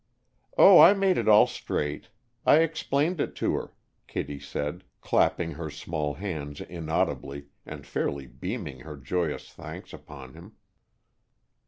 "Oh, I made it all straight. I explained it to her," Kittie said, clapping her small hands inaudibly, and fairly beaming her joyous thanks upon him.